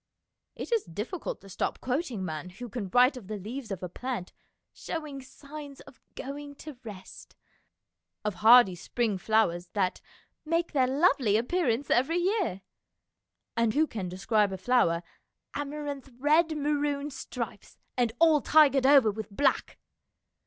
It is difficult to stop quoting a man who can write of the leaves of a plant " showing signs of going to rest," of hardy spring flowers that " make their lovely appearance every year," and who can describe a flower " amaranth red maroon stripes, and all tigered over with black."